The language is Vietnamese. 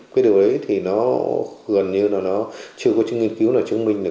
cái điều đấy thì nó gần như là nó chưa có nghiên cứu nào chứng minh được